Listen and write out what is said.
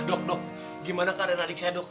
dok dok gimana karen adik saya dok